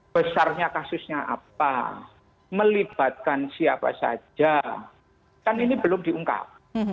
besarnya kasusnya apa melibatkan siapa saja kan ini belum diungkap